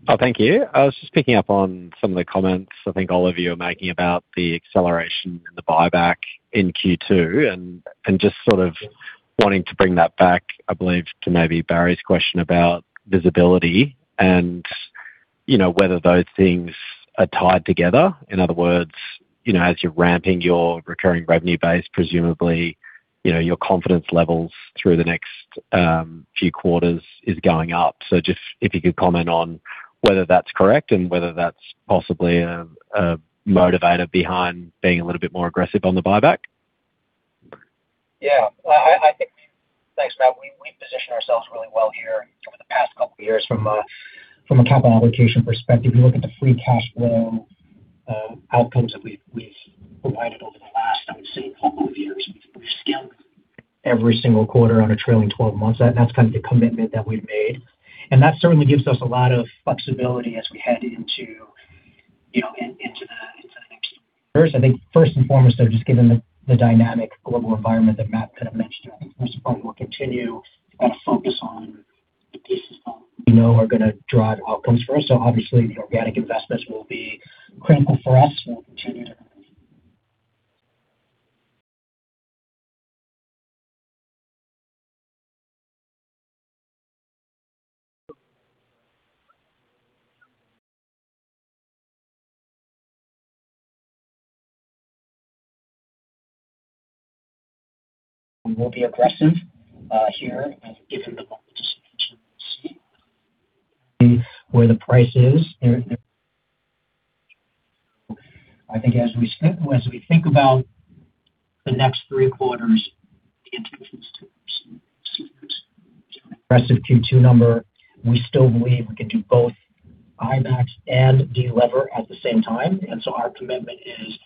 Oh, thank you. I was just picking up on some of the comments I think all of you are making about the acceleration and the buyback in Q2, and just sort of wanting to bring that back, I believe, to maybe Barry's question about visibility and, you know, whether those things are tied together. In other words, you know, as you're ramping your recurring revenue base, presumably, you know, your confidence levels through the next few quarters is going up. Just if you could comment on whether that's correct and whether that's possibly a motivator behind being a little bit more aggressive on the buyback. Yeah. Thanks, Matt. We positioned ourselves really well here over the past couple of years from a capital allocation perspective. You look at the free cash flow outcomes that we've provided over the last, I would say, couple of years. We've scaled every single quarter on a trailing 12 months. That's kind of the commitment that we've made. That certainly gives us a lot of flexibility as we head into, you know, into the next year. First, I think first and foremost, though, just given the dynamic global environment that Matt kind of mentioned, I think first and foremost, we'll continue to focus on the pieces that we know are gonna drive outcomes for us. Obviously, the organic investments will be critical for us. We'll be aggressive here and given the level of distinction we see. Where the price is there, I think as we think about the next three quarters, the intention is to see this aggressive Q2 number. We still believe we can do both buybacks and delever at the same time. Our commitment is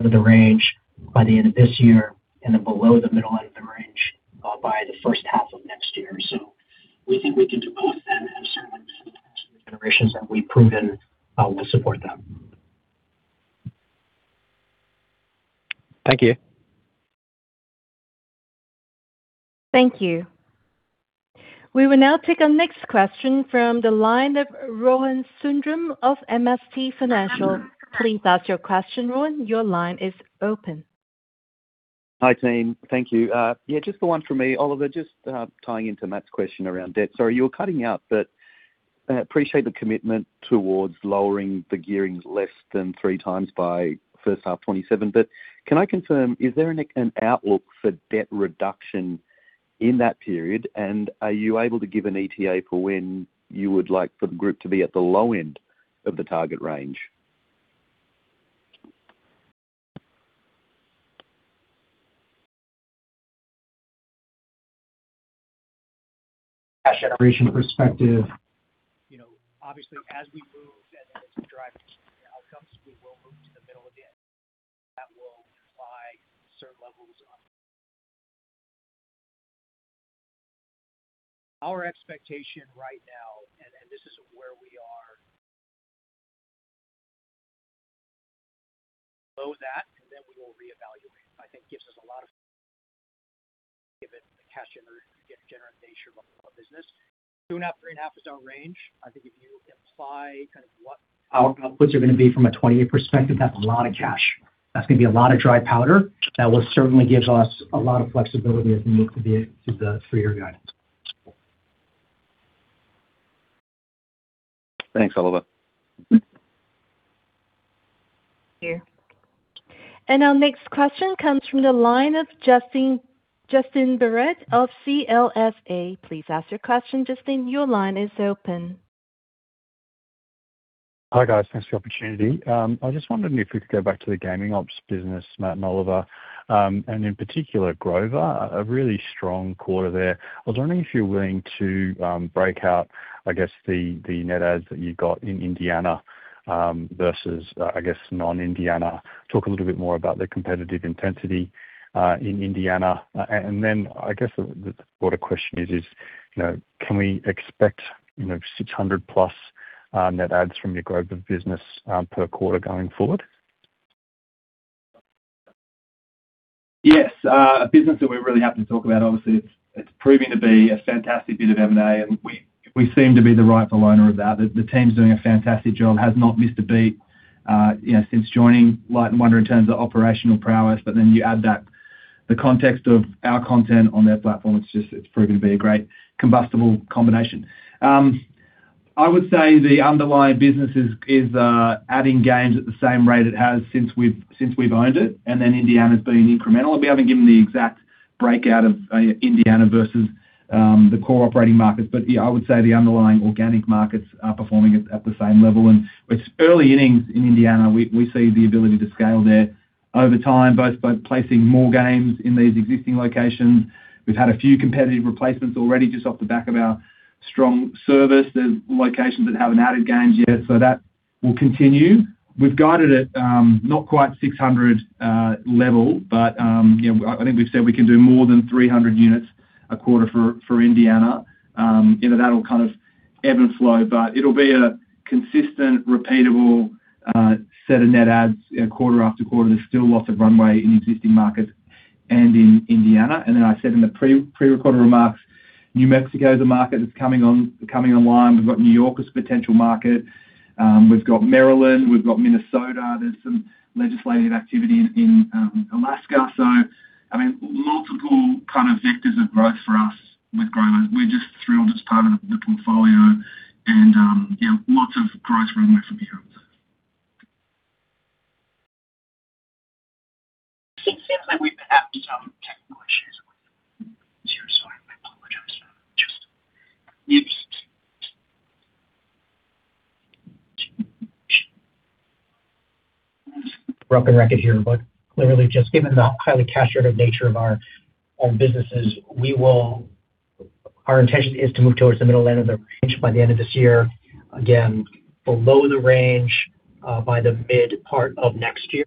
the range by the end of this year and then below the middle end of the range by the first half of next year. We think we can do both and have cash generations that we've proven will support them. Thank you. Thank you. We will now take our next question from the line of Rohan Sundram of MST Financial. Please ask your question, Rohan. Your line is open. Hi, team. Thank you. Yeah, just the one for me. Oliver, just tying into Matt's question around debt. Sorry, you were cutting out, I appreciate the commitment towards lowering the gearing less than 3x by first half 2027. Can I confirm, is there an outlook for debt reduction in that period? Are you able to give an ETA for when you would like for the group to be at the low end of the target range? Cash generation perspective. You know, obviously, as we move and as we drive these outcomes, we will move to the middle again. That will imply certain levels of our expectation right now, and this is where we are. Below that, and then we will reevaluate. I think gives us a lot of, given the cash generation nature of our business. 2.5%-3.5% range. I think if you imply kind of what our outputs are going to be from a 2028 perspective, that's a lot of cash. That's going to be a lot of dry powder. That will certainly gives us a lot of flexibility as we move to the three-year guidance. Thanks, Oliver. Our next question comes from the line of Justin Barratt of CLSA. Please ask your question, Justin. Your line is open. Hi, guys. Thanks for the opportunity. I just wondered if we could go back to the Gaming ops business, Matt Wilson and Oliver Chow. In particular, Grover Gaming, a really strong quarter there. I was wondering if you're willing to break out, I guess, the net adds that you got in Indiana versus, I guess, non-Indiana. Talk a little bit more about the competitive intensity in Indiana. Then I guess the broader question is, you know, can we expect, you know, 600+ net adds from your Grover business per quarter going forward? Yes. A business that we're really happy to talk about, obviously, it's proving to be a fantastic bit of M&A, and we seem to be the rightful owner of that. The team's doing a fantastic job. Has not missed a beat, you know, since joining Light & Wonder in terms of operational prowess. You add that, the context of our content on their platform, it's proven to be a great combustible combination. I would say the underlying business is adding games at the same rate it has since we've owned it, Indiana's been incremental. We haven't given the exact breakout of Indiana versus the core operating markets. Yeah, I would say the underlying organic markets are performing at the same level. It's early innings in Indiana. We see the ability to scale there over time, both by placing more games in these existing locations. We've had a few competitive replacements already just off the back of our strong service. There's locations that haven't added games yet, so that will continue. We've guided at not quite 600 level, but, you know, I think we've said we can do more than 300 units a quarter for Indiana. You know, that'll kind of ebb and flow. It'll be a consistent, repeatable set of net adds, you know, quarter after quarter. There's still lots of runway in existing markets and in Indiana. I said in the pre-recorded remarks, New Mexico is a market that's coming on, coming online. We've got New York as a potential market. We've got Maryland, we've got Minnesota. There's some legislative activity in Alaska. I mean, multiple kind of vectors of growth for us with Grover. We're just thrilled it's part of the portfolio and, yeah, lots of growth runway from here. It seems like we've had some technical issues with them. Sorry, I apologize for just broken record here, but clearly just given the highly cash-generative nature of our businesses, our intention is to move towards the middle end of the range by the end of this year. Again, below the range, by the mid part of next year.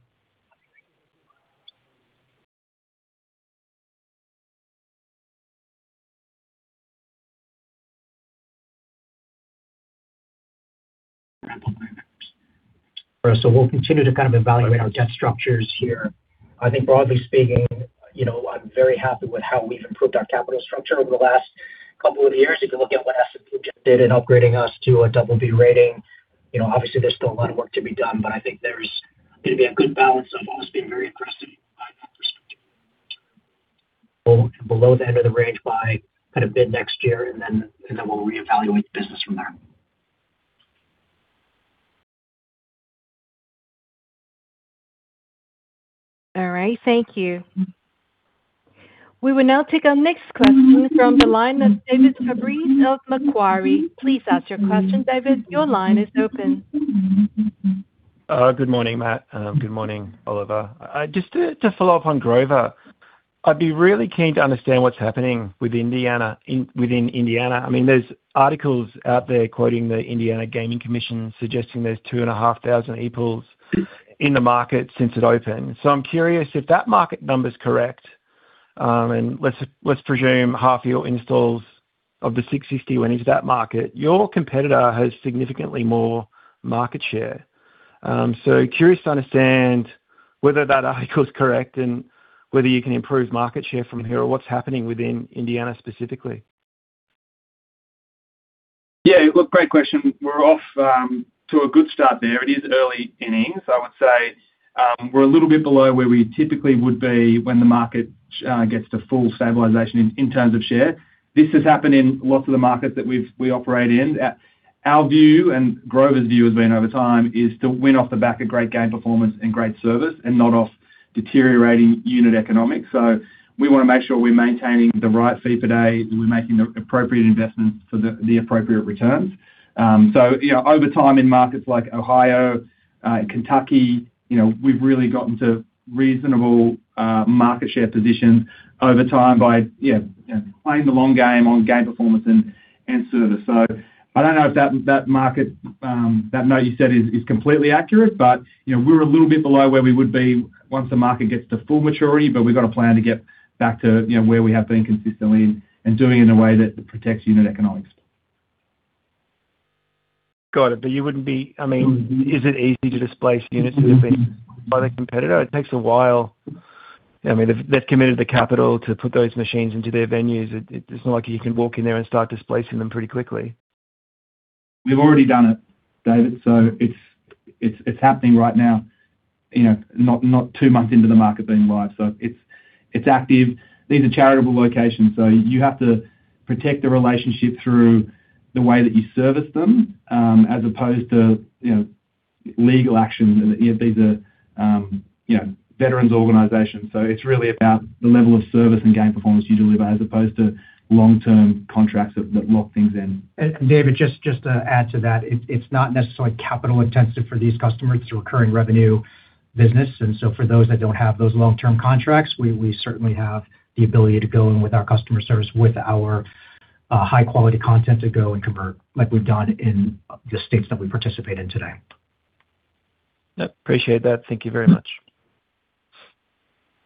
We'll continue to kind of evaluate our debt structures here. I think broadly speaking, you know, I'm very happy with how we've improved our capital structure over the last couple of years, if you look at what S&P just did in upgrading us to a BB rating, you know, obviously, there's still a lot of work to be done, but I think there's gonna be a good balance of us being very aggressive. Below the end of the range by kind of mid next year, and then we'll reevaluate the business from there. All right. Thank you. We will now take our next question from the line of David Fabris of Macquarie. Please ask your question, David. Your line is open. Good morning, Matt. Good morning, Oliver. Just to follow up on Grover. I'd be really keen to understand what's happening with Indiana, within Indiana. I mean, there's articles out there quoting the Indiana Gaming Commission suggesting there's 2,500 e-pulls in the market since it opened. I'm curious if that market number is correct. Let's presume half your installs of the 650 went into that market. Your competitor has significantly more market share. Curious to understand whether that article is correct and whether you can improve market share from here or what's happening within Indiana specifically. Yeah. Look, great question. We're off to a good start there. It is early innings. I would say, we're a little bit below where we typically would be when the market gets to full stabilization in terms of share. This has happened in lots of the markets that we operate in. Our view and Grover's view has been over time, is to win off the back of great game performance and great service and not off deteriorating unit economics. We wanna make sure we're maintaining the right fee per day. We're making the appropriate investments for the appropriate returns. You know, over time in markets like Ohio, Kentucky, you know, we've really gotten to reasonable market share positions over time by, you know, playing the long game on game performance and service. I don't know if that market, that no you said is completely accurate. You know, we're a little bit below where we would be once the market gets to full maturity, but we've got a plan to get back to, you know, where we have been consistently and doing it in a way that protects unit economics. Got it. I mean, is it easy to displace units that have been by the competitor? It takes a while. I mean, they've committed the capital to put those machines into their venues. It's not like you can walk in there and start displacing them pretty quickly. We've already done it, David. It's happening right now, you know, not two months into the market being live, so it's active. These are charitable locations, so you have to protect the relationship through the way that you service them, as opposed to, you know, legal action. These are, you know, veterans organizations, so it's really about the level of service and game performance you deliver as opposed to long-term contracts that lock things in. David, just to add to that, it's not necessarily capital intensive for these customers. It's a recurring revenue business. So for those that don't have those long-term contracts, we certainly have the ability to go in with our customer service, with our high quality content to go and convert like we've done in the states that we participate in today. Yep, appreciate that. Thank you very much.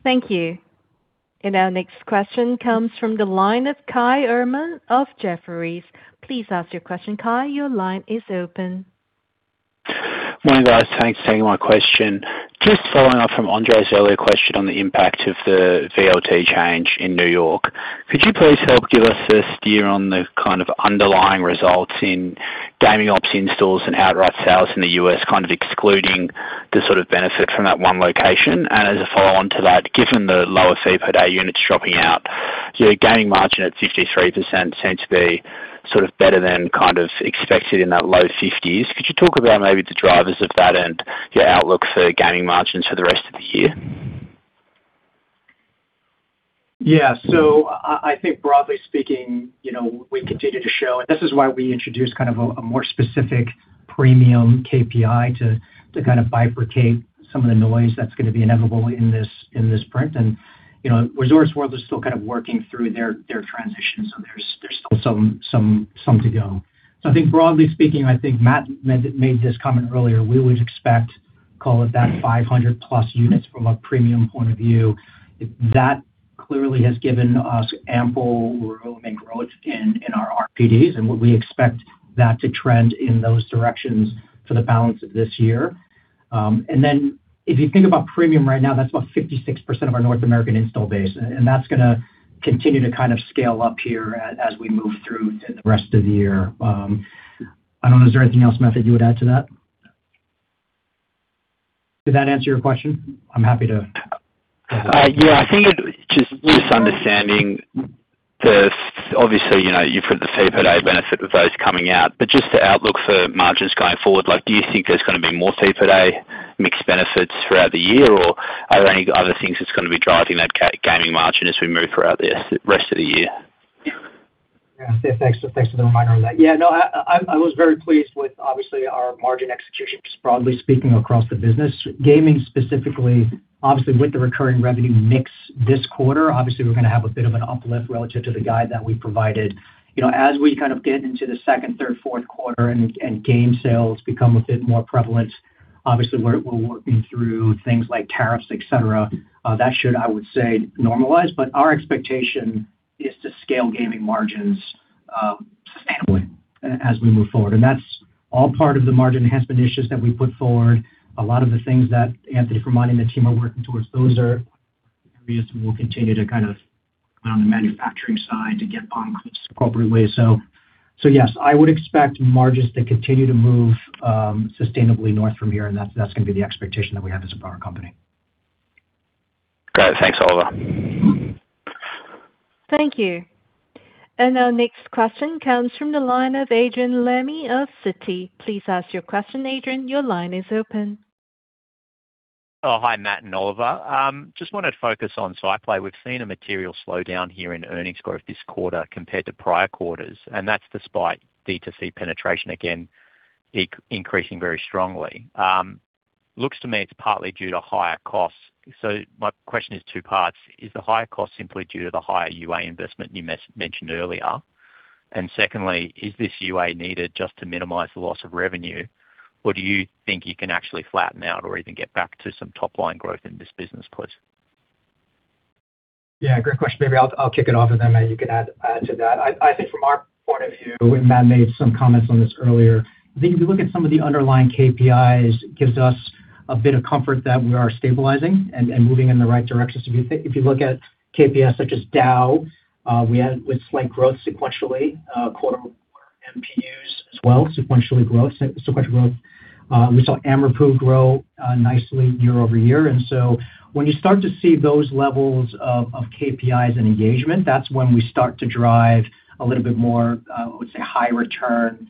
Thank you. Our next question comes from the line of Kai Erman of Jefferies. Please ask your question, Kai. Morning, guys. Thanks for taking my question. Just following up from Andre's earlier question on the impact of the VLT change in New York, could you please help give us a steer on the kind of underlying results in Gaming ops installs and outright sales in the U.S., kind of excluding the sort of benefit from that one location? As a follow-on to that, given the lower fee per day units dropping out, your Gaming margin at 63% seem to be sort of better than kind of expected in that low 50s. Could you talk about maybe the drivers of that and your outlook for Gaming margins for the rest of the year? Yeah. I think broadly speaking, you know, we continue to show, and this is why we introduced kind of a more specific premium KPI to kind of bifurcate some of the noise that's going to be inevitable in this, in this print. You know, Resorts World is still kind of working through their transition. There's still some to go. I think broadly speaking, I think Matt Wilson made this comment earlier, we would expect, call it that 500+ units from a premium point of view. That clearly has given us ample room and growth in our RPDs, and we expect that to trend in those directions for the balance of this year. If you think about premium right now, that's about 56% of our North American install base, and that's going to continue to kind of scale up here as we move through the rest of the year. I don't know, is there anything else, Matt, that you would add to that? Did that answer your question? Obviously, you know, you've heard the fee per day benefit of those coming out. Just the outlook for margins going forward, like, do you think there's gonna be more fee per day mixed benefits throughout the year? Or are there any other things that's gonna be driving that Gaming margin as we move throughout the rest of the year? Thanks. Thanks for the reminder on that. No, I was very pleased with obviously our margin execution, just broadly speaking across the business. Gaming specifically, obviously with the recurring revenue mix this quarter, obviously, we're going to have a bit of an uplift relative to the guide that we provided. You know, as we kind of get into the second, third, fourth quarter and game sales become a bit more prevalent, obviously, we're working through things like tariffs, et cetera, that should, I would say, normalize. Our expectation is to scale Gaming margins as we move forward. That's all part of the margin enhancement issues that we put forward. A lot of the things that Antonio Amormino and the team are working towards, those are areas we will continue to kind of on the manufacturing side to get upon appropriately. Yes, I would expect margins to continue to move sustainably north from here, and that's going to be the expectation that we have as a broader company. Got it. Thanks, Oliver. Thank you. Our next question comes from the line of Adrian Lemme of Citi. Please ask your question, Adrian. Hi, Matt and Oliver. Just wanted to focus on SciPlay. We've seen a material slowdown here in earnings growth this quarter compared to prior quarters, and that's despite D2C penetration again increasing very strongly. Looks to me it's partly due to higher costs. My question is two parts: Is the higher cost simply due to the higher UA investment you mentioned earlier? Secondly, is this UA needed just to minimize the loss of revenue, or do you think you can actually flatten out or even get back to some top-line growth in this business, please? Great question. Maybe I'll kick it off and then, Matt, you can add to that. I think from our point of view, Matt made some comments on this earlier, I think if you look at some of the underlying KPIs, it gives us a bit of comfort that we are stabilizing and moving in the right direction. If you look at KPIs such as DAU, we had slight growth sequentially quarter-over-quarter, MPUs as well, sequential growth. We saw AMRPU grow nicely year-over-year. When you start to see those levels of KPIs and engagement, that's when we start to drive a little bit more, I would say, high return,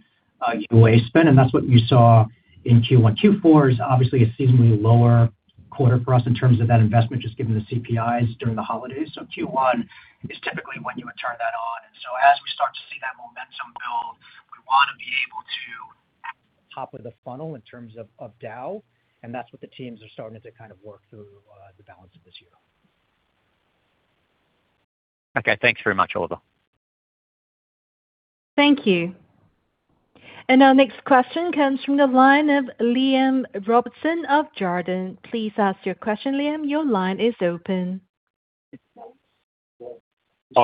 UA spend, and that's what you saw in Q1. Q4 is obviously a seasonally lower quarter for us in terms of that investment, just given the CPIs during the holidays. Q1 is typically when you would turn that on. As we start to see that momentum build, we wanna be able to at the top of the funnel in terms of DAU, and that's what the teams are starting to kind of work through the balance of this year. Okay. Thanks very much, Oliver. Thank you. Our next question comes from the line of Liam Robertson of Jarden. Please ask your question, Liam. Your line is open.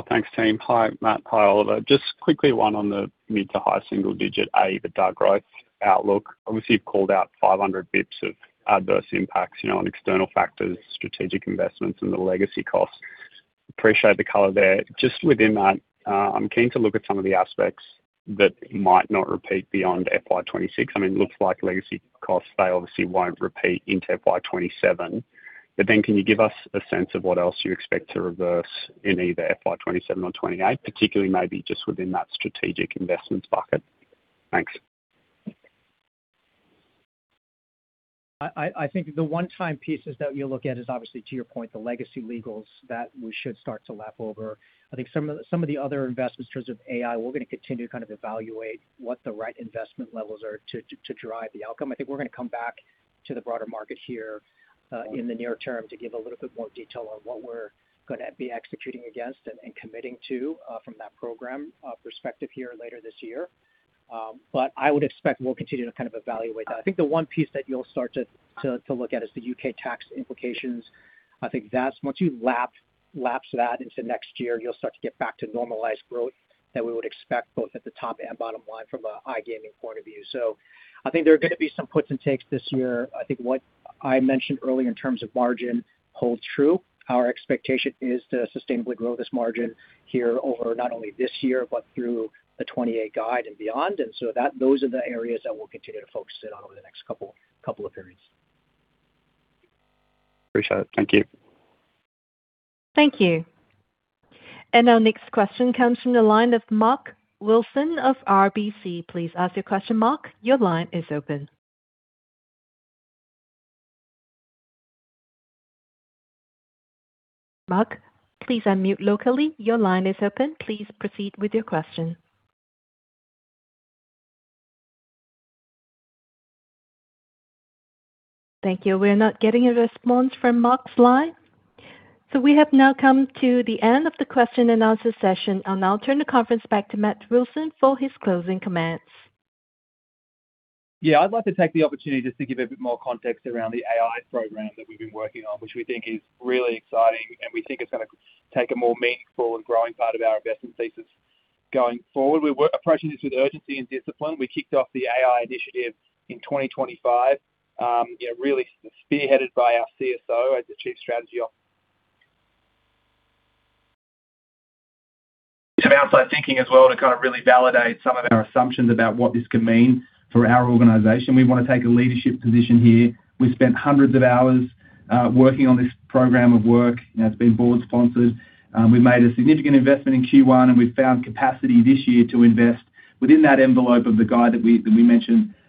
Thanks, team. Hi, Matt. Hi, Oliver. Just quickly, one on the mid-to-high single-digit AEBITDA growth outlook. Obviously, you've called out 500 basis points of adverse impacts, you know, on external factors, strategic investments, and the legacy costs. Appreciate the color there. Just within that, I'm keen to look at some of the aspects that might not repeat beyond FY 2026. I mean, looks like legacy costs, they obviously won't repeat into FY 2027. Can you give us a sense of what else you expect to reverse in either FY 2027 or 2028, particularly maybe just within that strategic investments bucket? Thanks. I think the one-time pieces that you look at is obviously, to your point, the legacy legals that we should start to lap over. I think some of the other investments in terms of AI, we're gonna continue to kind of evaluate what the right investment levels are to drive the outcome. I think we're gonna come back to the broader market here in the near term to give a little bit more detail on what we're gonna be executing against and committing to from that program perspective here later this year. I would expect we'll continue to kind of evaluate that. I think the one piece that you'll start to look at is the U.K. tax implications. I think that's once you lap that into next year, you'll start to get back to normalized growth that we would expect both at the top and bottom line from a iGaming point of view. I think there are gonna be some puts and takes this year. I think what I mentioned earlier in terms of margin holds true. Our expectation is to sustainably grow this margin here over not only this year, but through the 2028 guide and beyond. Those are the areas that we'll continue to focus in on over the next couple of periods. Appreciate it. Thank you. Thank you. Our next question comes from the line of Mark Wilson of RBC. Please ask your question, Mark. Your line is open. Mark, please unmute locally. Your line is open. Please proceed with your question. Thank you. We're not getting a response from Mark's line. We have now come to the end of the question and answer session. I'll now turn the conference back to Matt Wilson for his closing comments. Yeah. I'd like to take the opportunity just to give a bit more context around the AI program that we've been working on, which we think is really exciting, and we think it's gonna take a more meaningful and growing part of our investment thesis going forward. We're approaching this with urgency and discipline. We kicked off the AI initiative in 2025, you know, really spearheaded by our CSO, Chief Strategy Officer. Outside thinking as well to kind of really validate some of our assumptions about what this could mean for our organization. We wanna take a leadership position here. We spent hundreds of hours working on this program of work. You know, it's been board sponsored. We made a significant investment in Q1, and we found capacity this year to invest within that envelope of the guide that we, that we mentioned, you know, earlier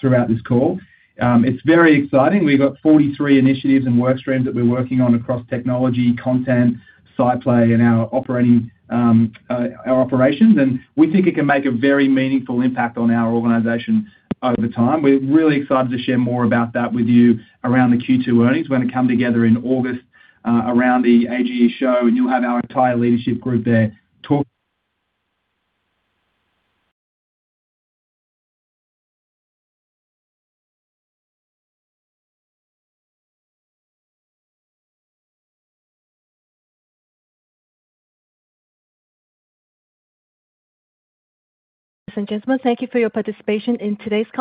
throughout this call. It's very exciting. We've got 43 initiatives and work streams that we're working on across technology, content, SciPlay, and our operating, our operations. We think it can make a very meaningful impact on our organization over time. We're really excited to share more about that with you around the Q2 earnings. We're gonna come together in August around the AGE show, and you'll have our entire leadership group there talk. Ladies and gentlemen, thank you for your participation in today's